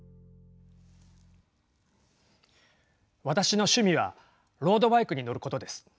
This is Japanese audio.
私の趣味はロードバイクに乗ることです。